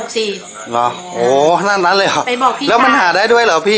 ซะแล้วมันหาได้เหรอ